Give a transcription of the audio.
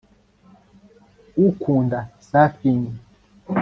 ukunda surfing